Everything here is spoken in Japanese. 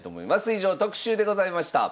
以上特集でございました。